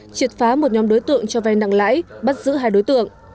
triệt phá một nhóm đối tượng cho vay nặng lãi bắt giữ hai đối tượng